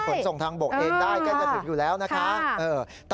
คุณขวัญโดนแพงไหม